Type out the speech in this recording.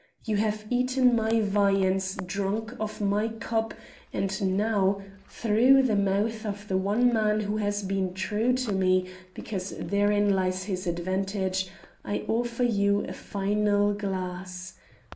You have eaten my viands, drunk of my cup; and now, through the mouth of the one man who has been true to me because therein lies his advantage, I offer you a final glass.